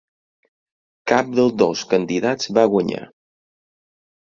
Cap dels dos candidats va guanyar.